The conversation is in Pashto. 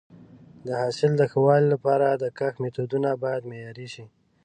د حاصل د ښه والي لپاره د کښت میتودونه باید معیاري شي.